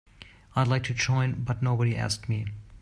I'd like to join but nobody asked me.